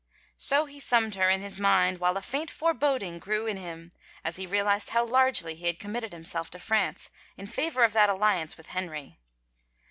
So he summed her in his mind while a faint foreboding grew in him as he realized how largely he had committed him self to France in favor of that alliance with Henry.